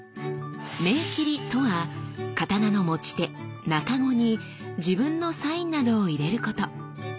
銘切りとは刀の持ち手茎に自分のサインなどを入れること。